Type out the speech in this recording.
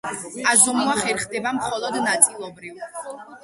აზომვა ხერხდება მხოლოდ ნაწილობრივ.